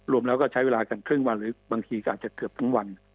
รวมแล้วก็ใช้เวลากันครึ่งวันหรือบางทีก็อาจจะเกือบทั้งวัน